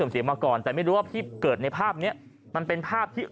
เสียงมาก่อนแต่ไม่รู้ว่าที่เกิดในภาพเนี้ยมันเป็นภาพที่